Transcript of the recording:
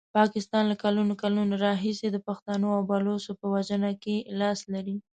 پاکستان له کلونو کلونو راهیسي د پښتنو او بلوڅو په وژنه کې لاس لري.